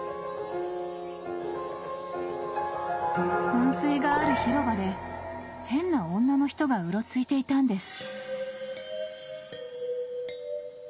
［噴水がある広場で変な女の人がうろついていたんです］